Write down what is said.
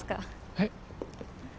はい？